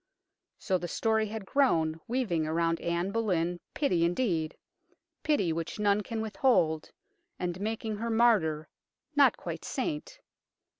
So the story had grown, weaving around Anne Boleyn pity indeed pity which none can withhold and making her martyr, not quite saint.